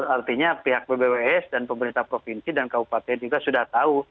artinya pihak bbws dan pemerintah provinsi dan kabupaten juga sudah tahu